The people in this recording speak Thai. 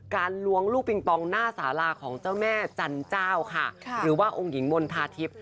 ล้วงลูกปิงปองหน้าสาราของเจ้าแม่จันเจ้าค่ะหรือว่าองค์หญิงมณฑาทิพย์